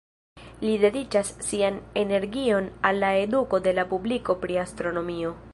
Li dediĉas sian energion al la eduko de la publiko pri astronomio.